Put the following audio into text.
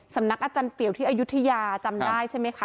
สำนักอาจารย์เปียวที่อายุทยาจำได้ใช่ไหมคะ